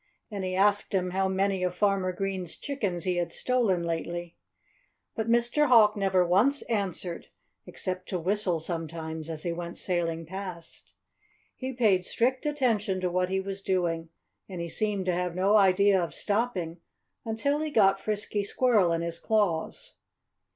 And he asked him how many of Farmer Green's chickens he had stolen lately. But Mr. Hawk never once answered except to whistle sometimes as he went sailing past. He paid strict attention to what he was doing. And he seemed to have no idea of stopping until he got Frisky Squirrel in his claws.